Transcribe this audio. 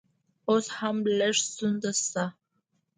اوس هم لږ ستونزه شته